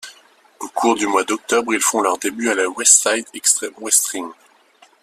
Au cours du mois d'octobre, ils font leurs débuts à la Westside Xtreme Wrestling.